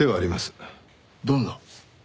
どんな？